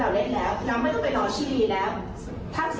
และเราไม่ต้องกลัวเจ็บ